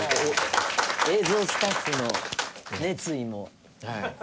映像スタッフの熱意も。